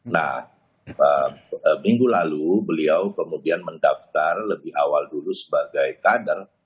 nah minggu lalu beliau kemudian mendaftar lebih awal dulu sebagai kader